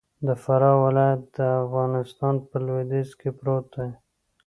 د فراه ولايت د افغانستان په لویدیځ کی پروت دې.